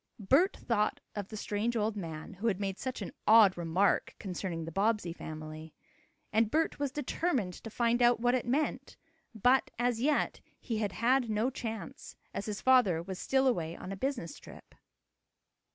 Bert thought of the strange old man, who had made such an odd remark concerning the Bobbsey family. And Bert was determined to find out what it meant, but, as yet, he had had no chance, as his father was still away on a business trip.